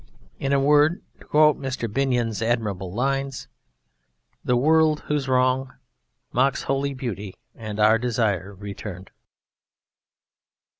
In a word, to quote Mr. Binyon's admirable lines: "The world whose wrong Mocks holy beauty and our desire returned."